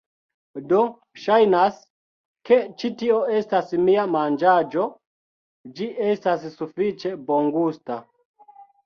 Do, ŝajnas, ke ĉi tio estas mia manĝaĵo ĝi estas sufiĉe bongusta